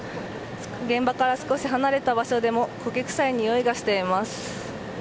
現場から少し離れた場所でも焦げ臭いにおいがしています。